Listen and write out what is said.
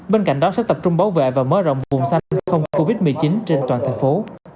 bên cạnh đó sẽ tập trung bảo vệ và mở rộng vùng xanh không covid một mươi chín trên toàn thành phố